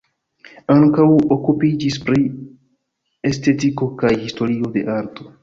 Ankaŭ okupiĝis pri estetiko kaj historio de arto.